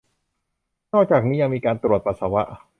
นอกจากนี้ยังมีการตรวจปัสสาวะ